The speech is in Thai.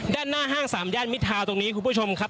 ด้านหน้าห้างสามย่านมิทาวน์ตรงนี้คุณผู้ชมครับ